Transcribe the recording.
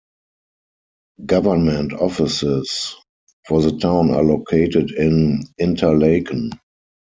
Government offices for the town are located in Interlaken.